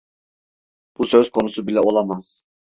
Bu söz konusu bile olamaz.